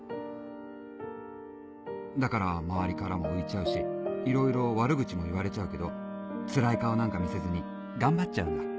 だから周りからも浮いちゃうしいろいろ悪口も言われちゃうけどつらい顔なんか見せずに頑張っちゃうんだ。